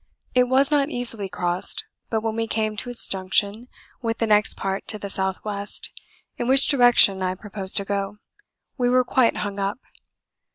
It was not easily crossed, but when we came to its junction with the next part to the S.W. (in which direction I proposed to go) we were quite hung up.